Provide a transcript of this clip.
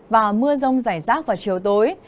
và mưa rông rải rác vào chiều tối